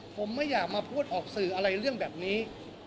ผมไม่อยากมาพูดออกสื่ออะไรเรื่องแบบนี้